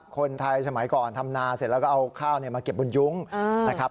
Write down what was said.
สมัยก่อนทำนาเสร็จแล้วก็เอาข้าวมาเก็บบนยุ้งนะครับ